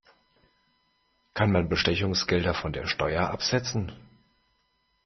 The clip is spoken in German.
Kann man Bestechungsgelder von der Steuer absetzen?